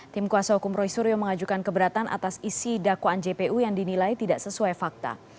tim kuasa hukum roy suryo mengajukan keberatan atas isi dakwaan jpu yang dinilai tidak sesuai fakta